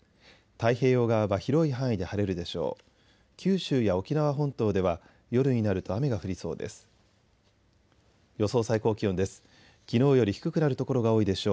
太平洋側は広い範囲で晴れるでしょう。